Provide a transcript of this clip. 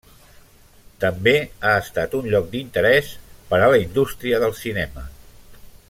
També ha estat un lloc d'interès per a la indústria del cinema.